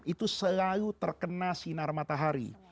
itu selalu terkena sinar matahari